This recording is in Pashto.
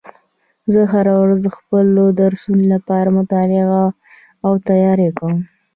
زه هره ورځ د خپلو درسونو لپاره مطالعه او تیاری کوم